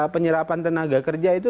penyerapan tenaga kerja itu